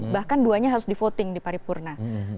bahkan dua nya harus di voting di paripurna